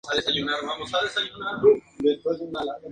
El rodaje fue comunicado por "E!